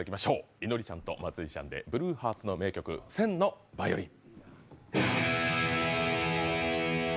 いのりちゃんとまつりちゃんでＢＬＵＥＨＥＡＲＴＳの名曲「１０００のバイオリン」。